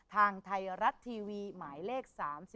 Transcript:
ทางไทยรัฐทีวีหมายเลข๓๒